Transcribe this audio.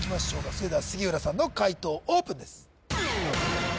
それでは杉浦さんの解答オープンです